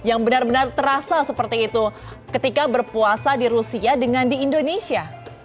yang benar benar terasa seperti itu ketika berpuasa di rusia dengan di indonesia